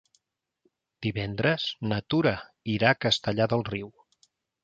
Divendres na Tura irà a Castellar del Riu.